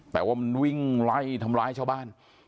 แต่ว่ามันวิ่งไล่ทำร้ายชาวบ้าน